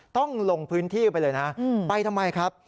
ต้องลงพื้นที่ไปเลยนะไปทำไมครับ